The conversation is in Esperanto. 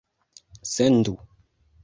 sendu